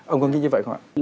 ông có nghĩ như vậy không ạ